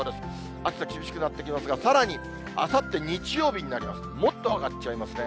暑さ厳しくなってきますが、さらに、あさって日曜日になりますと、もっと上がっちゃいますね。